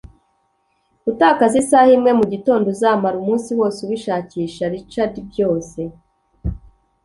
gutakaza isaha imwe mu gitondo, uzamara umunsi wose ubishakisha. - richard byose